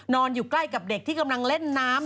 อยู่ใกล้กับเด็กที่กำลังเล่นน้ำ